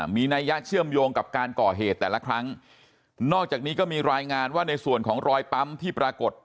มีนัยยะเชื่อมโยงกับการก่อเหตุแต่ละครั้งนอกจากนี้ก็มีรายงานว่าในส่วนของรอยปั๊มที่ปรากฏ